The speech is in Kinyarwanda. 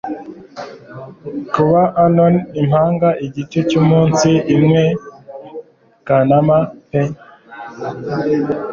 Kuba anon impanga igice cyumunsi umwe Kanama pe